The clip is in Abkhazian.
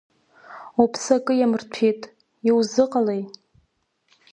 Уԥсы акы иамырҭәит, иузыҟалеи?